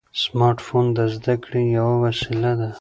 سمارټ فون د زده کړې یوه وسیله ده.